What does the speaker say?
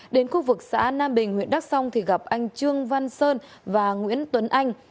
đến khu vực xã nam bình huyện đắk song thì gặp anh trương văn sơn và nguyễn tuấn anh